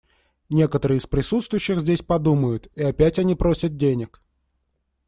Некоторые из присутствующих здесь подумают: «И опять они просят денег».